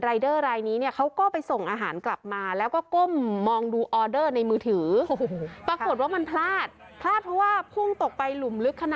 คือไม่ได้บาดเจ็บหนัก